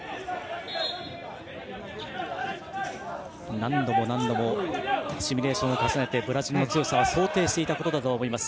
何度も何度もシミュレーションを重ねてブラジルの強さを想定していたことだとは思います。